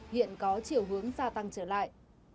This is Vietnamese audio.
hiện có chiều hướng xa tăng trở lại